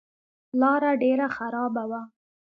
لاره ډېره خرابه وه.